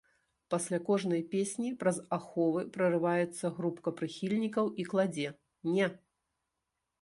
Пасля кожнай песні праз аховы прарываецца групка прыхільнікаў і кладзе, не!